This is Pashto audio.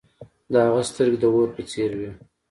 د هغه سترګې د اور په څیر وې.